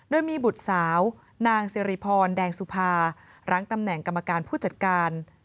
โดยมีบุตรสาวนางสิริพรแดงสุภารั้งตำแหน่งกรรมการผู้จัดการ